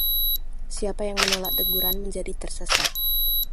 siapa yang menolak teguran menjadi tersesat.